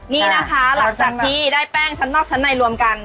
นี่นะคะหลังจากที่ได้แป้งชั้นนอกชั้นในรวมกัน